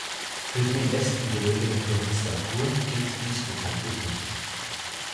Für die im Westen gelegene Provinz Darfur gilt dies bekanntlich nicht.